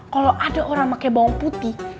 kalau ada orang pakai bawang putih